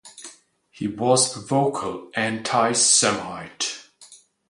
He was a vocal anti-semite.